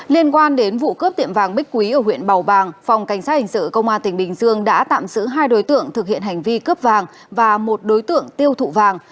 liên quan đến vụ cướp tiệm vàng bích quý ở huyện bảo bàng phòng cảnh sát hình sự công an tỉnh bình dương đã tạm giữ hai đối tượng thực hiện hành vi cướp vàng và một đối tượng tiêu thụ vàng